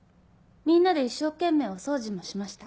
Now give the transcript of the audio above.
みんなで一生懸命お掃除もしました。